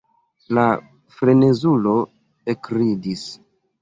La frenezulo ekridis.